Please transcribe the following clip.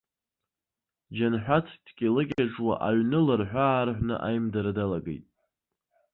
Џьанҳәаҭ дкьылы-кьаҿуа, аҩны ларҳәы-аарҳәны аимдара далагеит.